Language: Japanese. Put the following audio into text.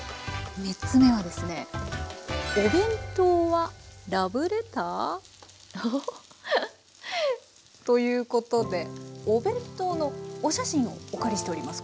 ３つ目はですねおぉ？ということでお弁当のお写真をお借りしております。